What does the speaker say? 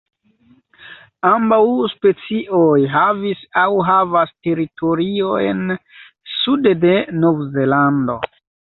Ambaŭ specioj havis aŭ havas teritoriojn sude de Novzelando.